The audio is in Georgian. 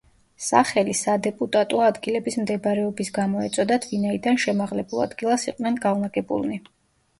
სახელი სადეპუტატო ადგილების მდებარეობის გამო ეწოდათ ვინაიდან შემაღლებულ ადგილას იყვნენ განლაგებულნი.